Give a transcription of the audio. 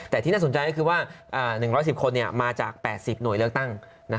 แต่ที่น่าสนใจก็คือว่า๑๑๐คนมาจาก๘๐หน่วยเลือกตั้ง